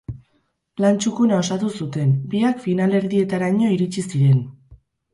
Lan txukuna osatu zuten, biak finalerdietaraino iritsi ziren.